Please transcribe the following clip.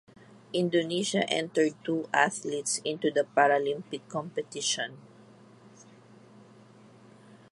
Indonesia entered two athletes into the Paralympic competition.